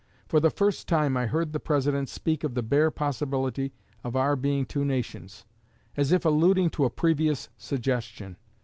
For the first time I heard the President speak of the bare possibility of our being two nations as if alluding to a previous suggestion.